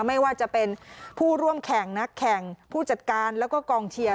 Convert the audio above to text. ไม่ว่าจะเป็นผู้ร่วมแข่งนักแข่งผู้จัดการแล้วก็กองเชียร์